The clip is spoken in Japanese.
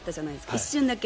一瞬だけ。